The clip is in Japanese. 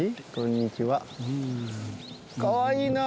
かわいいなあ！